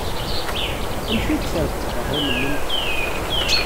Amek ay d-trebbḥeḍ aɣrum-nnem?